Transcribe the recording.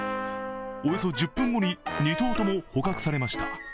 およそ１０分後に２頭とも捕獲されました。